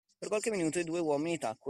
Per qualche minuto i due uomini tacquero.